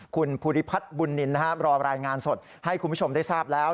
คุณภูริพัฒน์บุญนินรอรายงานสดให้คุณผู้ชมได้ทราบแล้ว